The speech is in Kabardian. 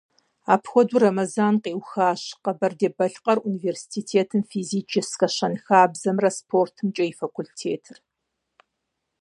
Апхуэдэу Рэмэзан къиухащ Къэбэрдей-Балъкъэр университетым Физическэ щэнхабзэмрэ спортымкӏэ и факультетыр.